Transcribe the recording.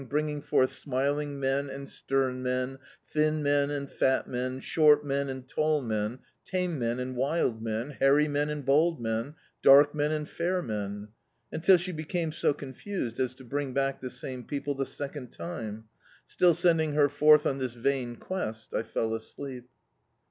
bringing forward smiling men and stem men, thin men and fat men, short men and tall men, tame men and wild men, hairy men and bald men, dark men and fair men — until she became so confused as to bring back the same people the second time; still sending her forth on this vain quest, I fell asleep.